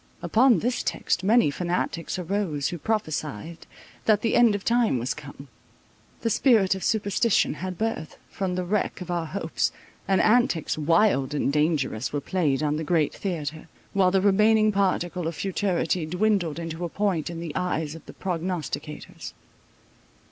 Upon this text many fanatics arose, who prophesied that the end of time was come. The spirit of superstition had birth, from the wreck of our hopes, and antics wild and dangerous were played on the great theatre, while the remaining particle of futurity dwindled into a point in the eyes of the prognosticators.